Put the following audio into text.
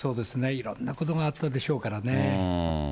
いろんなことがあったでしょうからね。